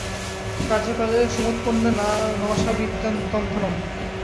কার্যকালে সমুৎপন্নে ন সা বিদ্যা ন তদ্ধনম্।